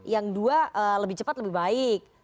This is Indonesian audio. yang dua lebih cepat lebih baik